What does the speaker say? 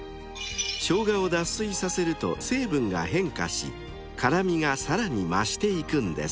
［ショウガを脱水させると成分が変化し辛味がさらに増していくんです］